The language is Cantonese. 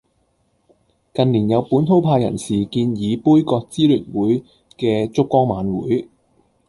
近年有本土派人士建議杯葛支聯會嘅燭光晚會